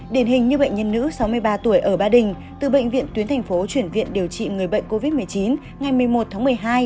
điển hình như bệnh nhân nữ sáu mươi ba tuổi ở ba đình từ bệnh viện tuyến thành phố chuyển viện điều trị người bệnh covid một mươi chín ngày một mươi một tháng một mươi hai